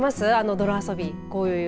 泥遊びこういう。